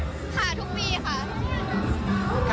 ค่ะทุกปีครับ